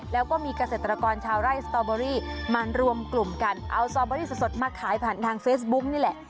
แล้วก็มีเกษตรกรชาวไร่สตอเบอรี่มารวมกลุ่มกันเอาสตอเบอรี่สดมาขายผ่านทางเฟซบุ๊กนี่แหละ